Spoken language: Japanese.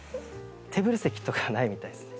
テーブル席とかないみたいっすね。